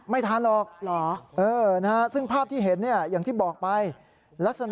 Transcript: ไม่ทันหรอกหรอ